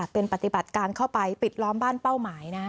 เป็นปฏิบัติการเข้าไปปิดล้อมบ้านเป้าหมายนะ